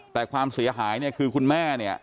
แต่ความเสียหายคือคุณแม่